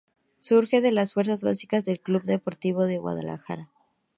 Surge de las fuerzas básicas del Club Deportivo Guadalajara.